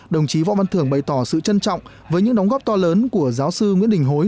đồng chí võ văn thưởng bày tỏ sự trân trọng với những đóng góp to lớn của giáo sư nguyễn đình hối